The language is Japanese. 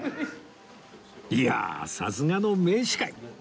いやあさすがの名司会！